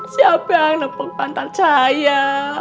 siapa yang nempuk pantan saya